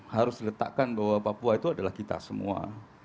harus diletakkan bahwa papua itu adalah kita semua